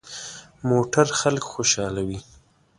موټر خلک خوشحالوي.